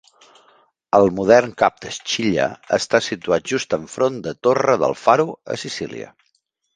El modern cap de Scilla està situat just enfront de Torre del Faro a Sicília.